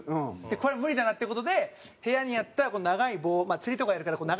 これは無理だなって事で部屋にあった長い棒釣りとかやるから長い棒あって。